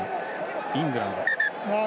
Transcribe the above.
イングランド。